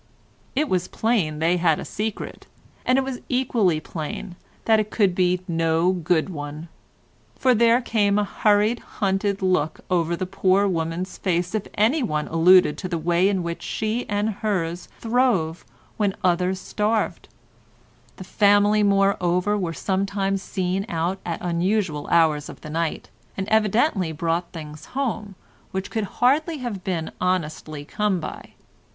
It was plain they had a secret, and it was equally plain that it could be no good one; for there came a hurried, hunted look over the poor woman's face if anyone alluded to the way in which she and hers throve when others starved; the family, moreover, were sometimes seen out at unusual hours of the night, and evidently brought things home, which could hardly have been honestly come by.